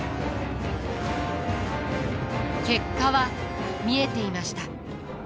結果は見えていました。